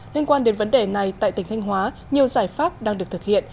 liên quan đến vấn đề này tại tỉnh thanh hóa nhiều giải pháp đang được thực hiện